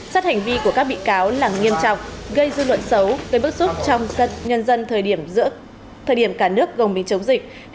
sát hành vi của các bị cáo là nghiêm trọng gây dư luận xấu gây bức xúc trong các nhân dân thời điểm cả nước gồng bình chống dịch